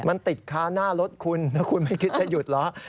มันติดค้าหน้ารถคุณแล้วคุณไม่คิดจะหยุดเหรอ